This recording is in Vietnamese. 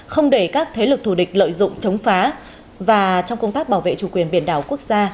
không để các thế lực thù địch lợi dụng chống phá và trong công tác bảo vệ chủ quyền biển đảo quốc gia